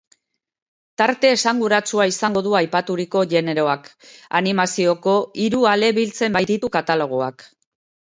Tarte esanguratsua izango du aipaturiko generoak, animazioko hiru ale biltzen baititu katalogoak.